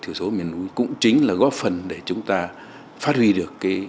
thiểu số miền núi cũng chính là góp phần để chúng ta phát huy được